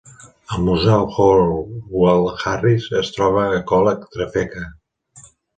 El museu Howell Harris es troba a Coleg Trefeca.